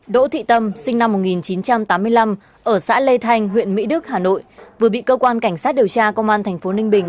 đỗ thị tâm sinh năm một nghìn chín trăm tám mươi năm ở xã lê thanh huyện mỹ đức hà nội vừa bị cơ quan cảnh sát điều tra công an tp ninh bình